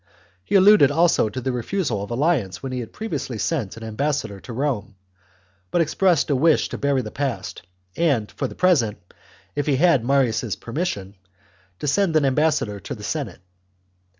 He alluded also to the refusal of alliance when he had previously sent an embassy to Rome, but expressed a wish to bury the past, and, for the present, if he had Marius' permission, to send an embassy to the Senate.